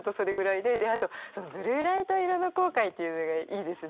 であとその「ブルーライト色の後悔」っていうのがいいですね。